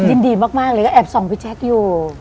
ยินดีมากเลยก็แอบส่องพี่แจ๊คอยู่